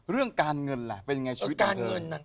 เรื่องการเงินล่ะเป็นไงชีวิตเงินนั้น